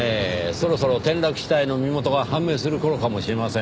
そろそろ転落死体の身元が判明する頃かもしれません。